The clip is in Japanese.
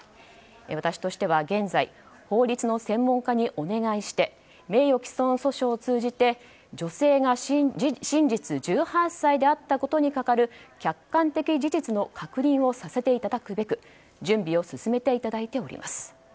私としては現在、法律の専門家にお願いして名誉棄損訴訟を通じて女性が真実１８歳であったことにかかる客観的事実の確認をさせていただくべく準備を進めていただいております。